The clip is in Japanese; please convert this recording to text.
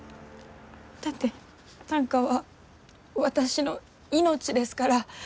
だって短歌は私の命ですから。